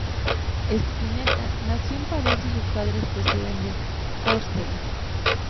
Spinetta nació en París, y sus padres proceden de Córcega.